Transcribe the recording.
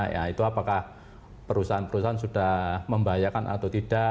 ya itu apakah perusahaan perusahaan sudah membahayakan atau tidak